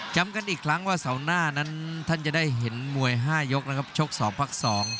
ย้ำกันอีกครั้งว่าเสาร์หน้านั้นท่านจะได้เห็นมวย๕ยกนะครับชก๒พัก๒